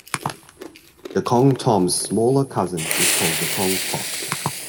The "kong thom"'s smaller cousin is called kong toch.